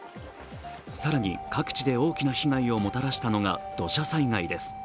更に、各地で大きな被害をもたらしたのが土砂災害です。